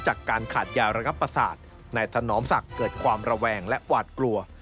จากการขาดยาระงับประสาทนายถนอมศักดิ์เกิดความระแวงและหวาดกลัว